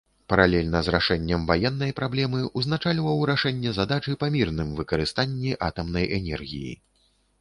Паралельна з рашэннем ваеннай праблемы узначальваў рашэнне задачы па мірным выкарыстанні атамнай энергіі.